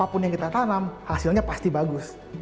jadi apapun yang kita tanam hasilnya pasti bagus